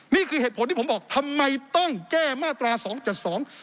นี่คือเหตุผลที่ผมบอกทำไมต้องแก้มาตราสองเจ็ดสอง